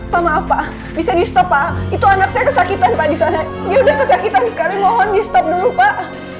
pak maaf pak bisa di stop pak itu anak saya kesakitan pak disana ya udah kesakitan sekali mohon distop dulu pak